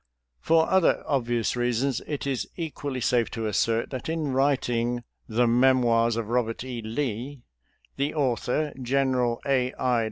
For other obvious reasons, it is equally safe to assert that in writ ing " The Memoirs of Eobert E. Lee," the author. General A. I.